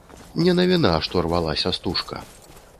Не навіна, што рвалася стужка.